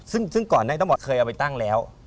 ซึ่งก่อนหน้านี้ตำรวจเคยเอาไปตั้งแล้ว